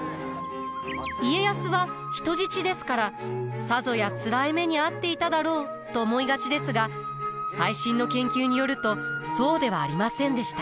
家康は人質ですからさぞやつらい目に遭っていただろうと思いがちですが最新の研究によるとそうではありませんでした。